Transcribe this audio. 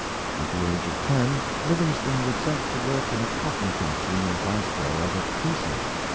'^ At the age of ten Livingstone was sent to work in a cotton factory near Glasgow as a " piecer."